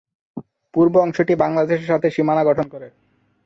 পূর্ব অংশটি বাংলাদেশের সাথে সীমানা গঠন করে।